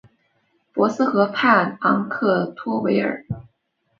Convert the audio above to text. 博斯河畔昂克托维尔。